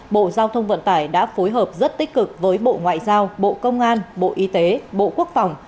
bộ giao thông vận tải đã phối hợp rất tích cực với bộ ngoại giao bộ công an bộ y tế bộ quốc phòng